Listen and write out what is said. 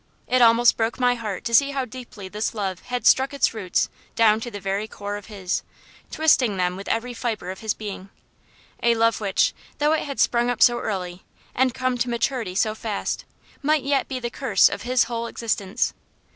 It almost broke my heart to see how deeply this love had struck its roots down to the very core of his; twisting them with every fibre of his being. A love which, though it had sprung up so early, and come to maturity so fast, might yet be the curse of his whole existence.